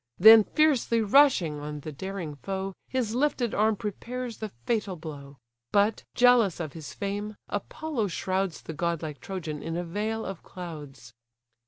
Then fiercely rushing on the daring foe, His lifted arm prepares the fatal blow: But, jealous of his fame, Apollo shrouds The god like Trojan in a veil of clouds.